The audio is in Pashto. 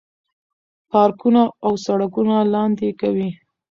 پارکونه او سړکونه لاندې کوي.